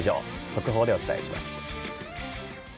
速報でお伝えします。